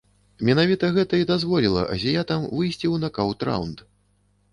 Менавіта гэта і дазволіла азіятам выйсці ў накаўт-раўнд.